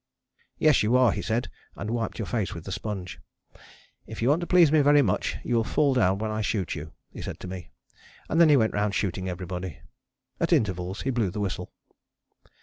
"Yes, you are," he said, and wiped your face with the sponge. "If you want to please me very much you will fall down when I shoot you," he said to me, and then he went round shooting everybody. At intervals he blew the whistle.